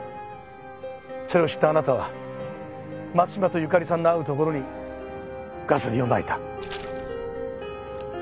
それを知ったあなたは松島と由香利さんの会うところにガソリンをまいた。